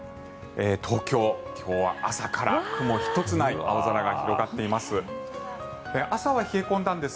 東京、今日は朝から雲一つない青空が広がっています。